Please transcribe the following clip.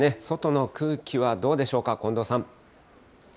外の空気はどうでしょうか、近藤さん。